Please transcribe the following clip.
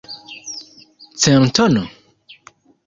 Centono?